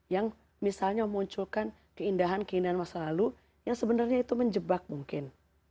yang misalnya memunculkan keindahan keindahan masa lalu yang sebenarnya itu menjebak mungkin